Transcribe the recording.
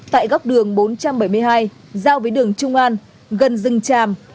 tại góc đường bốn trăm bảy mươi hai giao với đường trung an gần rừng tràm